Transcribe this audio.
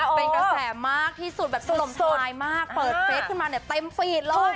เป็นกระแสมากที่สุดแบบสลมสบายมากเปิดเฟสขึ้นมาเนี่ยเต็มฟีดเลย